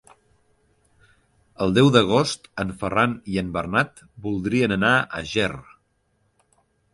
El deu d'agost en Ferran i en Bernat voldrien anar a Ger.